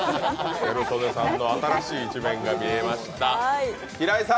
ギャル曽根さんの新しい一面が見えました。